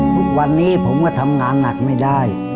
ทุกวันนี้ผมก็ทำงานหนักไม่ได้